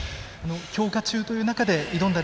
強化中という中で挑んだ